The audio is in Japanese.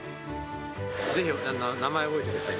ぜひ名前を覚えてください。